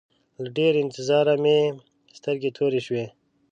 له ډېره انتظاره مې سترګې تورې شوې.